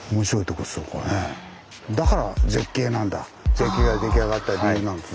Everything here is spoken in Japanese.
絶景が出来上がった理由なんですね。